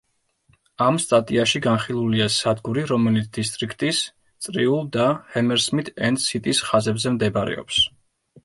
ამ სტატიაში განხილულია სადგური, რომელიც დისტრიქტის, წრიულ და ჰამერსმით-ენდ-სიტის ხაზებზე მდებარეობს.